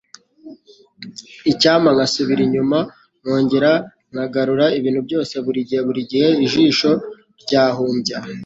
icyampa nkasubira inyuma nkongera nkagarura ibintu byose, burigihe burigihe ijisho ryahumbya